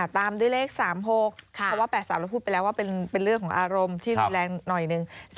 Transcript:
ตามด้วยเลข๓๖เพราะว่า๘๓เราพูดไปแล้วว่าเป็นเรื่องของอารมณ์ที่รุนแรงหน่อยหนึ่ง